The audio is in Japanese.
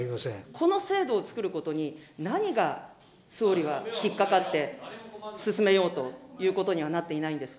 この制度を作ることに、何が総理は引っ掛かって、進めようということにはなっていないんですか。